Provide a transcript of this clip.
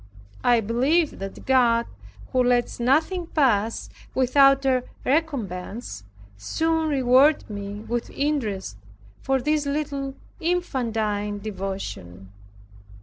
I believe that God, who lets nothing pass without a recompense, soon rewarded me with interest for this little infantine devotion.